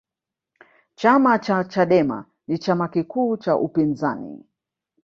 chama cha chadema ni chama kikuu cha upinzani